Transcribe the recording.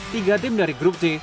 tiga tim dari grup c